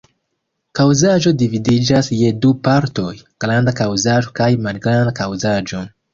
Kaŭkazo dividiĝas je du partoj: Granda Kaŭkazo kaj Malgranda Kaŭkazo.